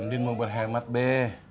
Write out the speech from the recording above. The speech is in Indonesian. din mau buat hemat be